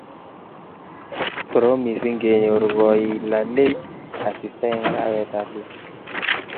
Koroom misiing kenyoru kolalei asista eng arawet ab lok